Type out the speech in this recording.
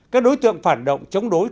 các đối tượng phản động chống đối